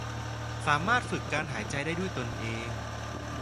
สามารถฝึกการหายใจได้ด้วยตนเอง